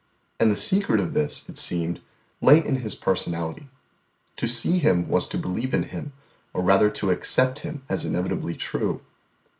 And the secret of this, it seemed, lay in His personality. To see Him was to believe in Him, or rather to accept Him as inevitably true.